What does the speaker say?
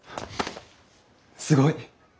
すごい！